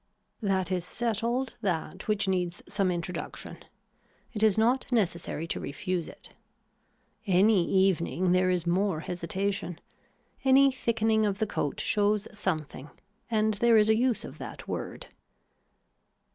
That is settled that which needs some introduction. It is not necessary to refuse it. Any evening there is more hesitation. Any thickening of the coat shows something and there is a use of that word.